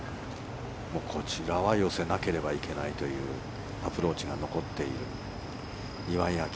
こちらは寄せなければいけないというアプローチが残っている岩井明愛。